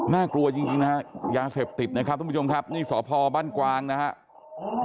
กลัวจริงนะฮะยาเสพติดนะครับทุกผู้ชมครับนี่สพบ้านกวางนะครับ